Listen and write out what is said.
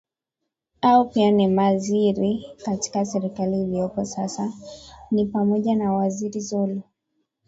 ao pia ni maziri katika serikali iliopo sasa ni pamoja na waziri zolo